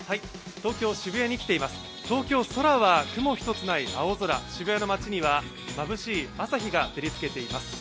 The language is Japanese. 東京、空は雲一つない青空、渋谷の街にはまぶしい朝日が照りつけています。